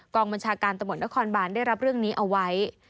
บัญชาการตำรวจนครบานได้รับเรื่องนี้เอาไว้